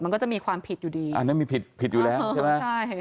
มันก็จะมีความผิดอยู่ดีอันนั้นมีผิดผิดอยู่แล้วใช่ไหมใช่